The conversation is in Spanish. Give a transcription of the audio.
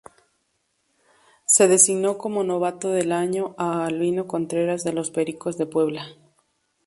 Se designó como novato del año a Albino Contreras de los Pericos de Puebla.